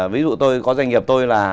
ví dụ tôi có doanh nghiệp tôi là